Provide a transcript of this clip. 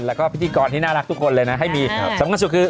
และก็พิธีกรที่น่ารักทุกคนเลยให้มีส่วนของสุขคือ